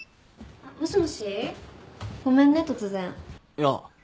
いや。